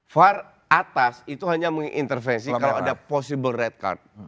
var atas itu hanya mengintervensi kalau ada possible red card